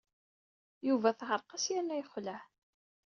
Yuba teɛreq-as yerna yexleɛ.